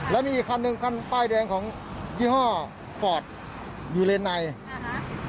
แล้วมีอีกคันหนึ่งคันป้ายแดงของยี่ห้อฟอร์ตอยู่เลนในนะคะ